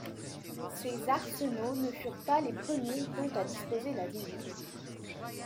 Ces arsenaux ne furent pas les premiers dont a disposé la ville.